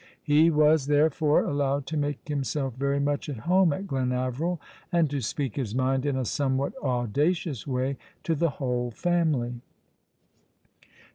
He was, therefore, allowed to make himself very much at home at Glenaveril, and to speak his mind in a somewhat audacious way to the whole family.